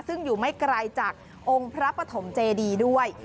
ซึ่งอยู่ไม่ไกลจากองค์พระปฐมเจดีด้วย